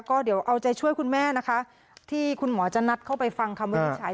ก็เดี๋ยวเอาใจช่วยคุณแม่นะคะที่คุณหมอจะนัดเข้าไปฟังคำวินิจฉัย